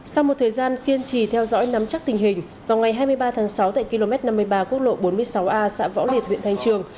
sau một thời gian kiên trì theo dõi nắm chắc tình hình vào ngày hai mươi ba tháng sáu tại km năm mươi ba quốc lộ bốn mươi sáu a xã võ liệt huyện thanh trường